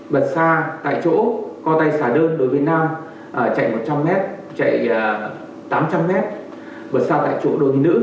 bật xa tại chỗ co tay xả đơn đối với nam chạy một trăm linh m chạy tám trăm linh m bật xa tại chỗ đối với nữ